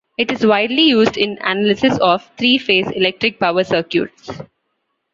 It is widely used in analysis of three-phase electric power circuits.